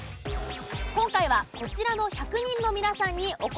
今回はこちらの１００人の皆さんにお答え頂きます。